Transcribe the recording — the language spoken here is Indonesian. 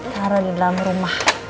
taro di dalam rumah